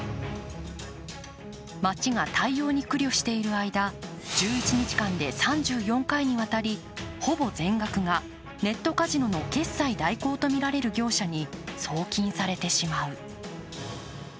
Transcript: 町が対応に苦慮している間、１１日間で３４回にわたりほぼ全額がネットカジノの決済代行とみられる業者に送金されてしまう。